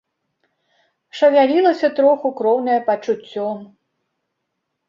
Шавялілася троху кроўнае пачуццё.